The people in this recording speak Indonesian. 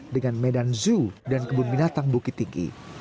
dengan medan zoo dan kebun binatang bukit tinggi